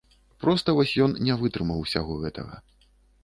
Проста вось ён не вытрымаў усяго гэтага.